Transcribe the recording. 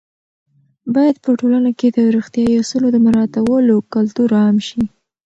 باید په ټولنه کې د روغتیايي اصولو د مراعاتولو کلتور عام شي.